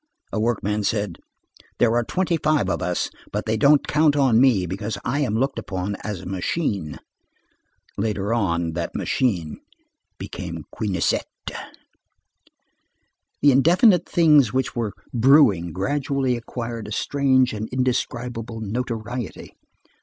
A workman said: "There are twenty five of us, but they don't count on me, because I am looked upon as a machine." Later on, that machine became Quenisset. The indefinite things which were brewing gradually acquired a strange and indescribable notoriety.